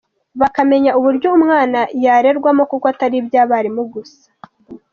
bakamenya uburyo umwana yarerwamo kuko atari iby’abarimu gusa.